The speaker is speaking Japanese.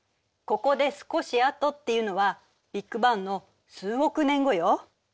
ここで「少しあと」っていうのはビッグバンの数億年後よ。